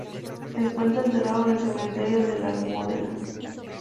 Se encuentra enterrado en el cementerio de la Almudena.